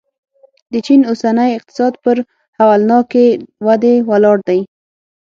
د چین اوسنی اقتصاد پر هولناکې ودې ولاړ دی.